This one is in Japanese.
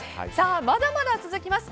まだまだ続きます。